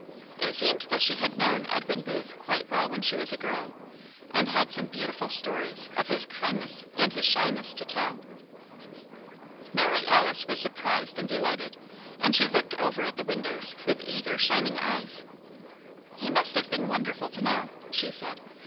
It seemed that she had known Edwin Booth quite well when she was a girl, and had some beautiful stories of his kindness and his shyness to tell. Mary Alice was surprised and delighted, and she looked over at the windows with eager, shining eyes. "He must have been wonderful to know," she said.